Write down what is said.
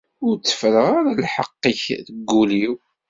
Ur tteffreɣ ara lḥeqq-ik deg wul-iw.